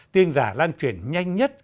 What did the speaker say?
tin giả lan truyền nhanh nhất